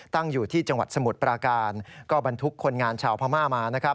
ตั้งอยู่ที่จังหวัดสมุทรปราการก็บรรทุกคนงานชาวพม่ามานะครับ